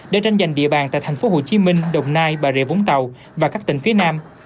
để tranh giành địa bàn tại thành phố hồ chí minh đồng nai bà rịa vũng tàu và các tỉnh phía nam